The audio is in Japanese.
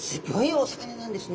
お魚なんですね。